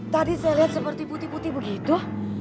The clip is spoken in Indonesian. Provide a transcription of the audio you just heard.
tadi saya lihat seperti putih putih begitu